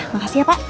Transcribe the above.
makasih ya pak